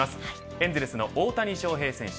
エンゼルスの大谷翔平選手